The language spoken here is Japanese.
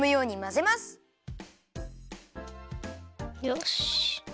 よし。